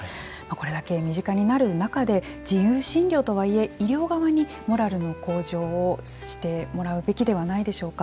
これだけ身近になる中で自由診療とはいえ、医療側にモラルの向上をしてもらうべきではないでしょうか。